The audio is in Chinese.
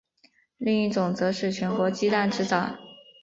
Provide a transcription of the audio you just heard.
另一种则是全用鸡蛋制造。